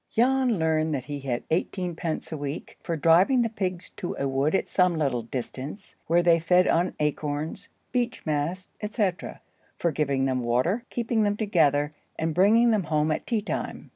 Jan learned that he had eighteen pence a week for driving the pigs to a wood at some little distance, where they fed on acorns, beech mast, etc.; for giving them water, keeping them together, and bringing them home at teatime.